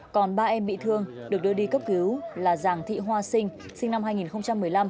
còn ba em bị thương được đưa đi cấp cứu là giàng thị hoa sinh sinh năm hai nghìn một mươi năm